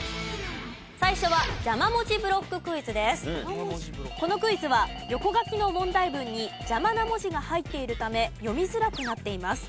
最初はこのクイズは横書きの問題文に邪魔な文字が入っているため読みづらくなっています。